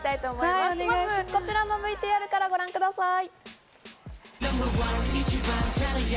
まず、こちらのＶＴＲからご覧ください。